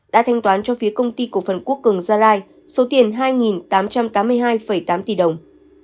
đã thanh toán cho phía công ty cổ phần quốc cường gia lai số tiền hai tám trăm tám mươi hai tám tỷ đồng